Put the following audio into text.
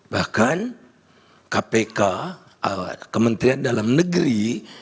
bahkan kpk kementerian dalam negeri